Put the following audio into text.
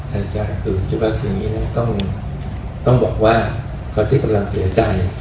ในการคิดว่าคืออย่างงี้นะต้องต้องบอกว่าคนที่กำลังเสียใจ